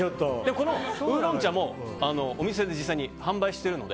このウーロン茶もお店で実際に販売してるので。